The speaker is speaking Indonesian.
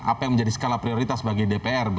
apa yang menjadi skala prioritas bagi dpr